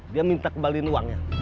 dia minta kembaliin uangnya